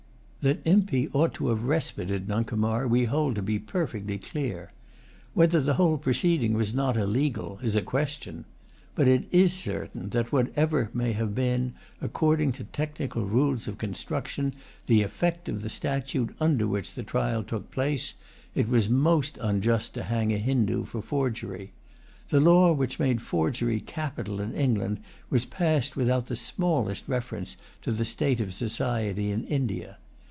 That Impey ought to have respited Nuncomar we hold to be perfectly clear. Whether the whole proceeding was not illegal is a question. But it is certain that, whatever may have been, according to technical rules of construction, the effect of the statute under which the trial took place, it was most unjust to hang a Hindoo for forgery. The law which made forgery capital in England was passed without the smallest reference to the state of society in India.